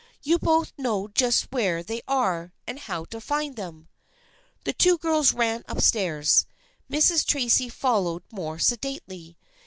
You both know just where they are and how to find them." The two girls ran up stairs, Mrs. Tracy follow ing more sedately.